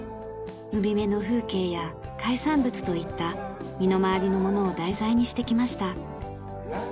海辺の風景や海産物といった身の回りの物を題材にしてきました。